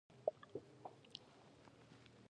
خیاط جامې ګنډي.